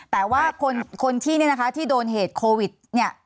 แต่ว่าคนที่โดนเหตุโควิดเนี่ย